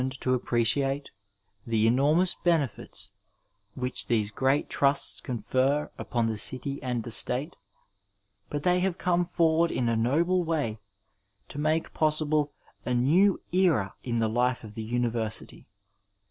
410 Digitized by Google THE FIXED PERIOD to appreciate the enormous benefits which these great trusts confer upon the city and the state, but they have come forward in a noble way to make possible a new era in the life of the university.